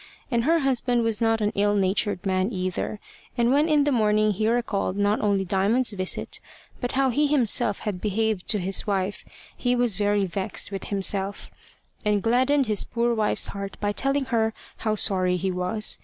And her husband was not an ill natured man either, and when in the morning he recalled not only Diamond's visit, but how he himself had behaved to his wife, he was very vexed with himself, and gladdened his poor wife's heart by telling her how sorry he was.